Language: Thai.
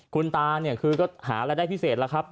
คุณตาหาอะไรได้พิเศษล่ะครับ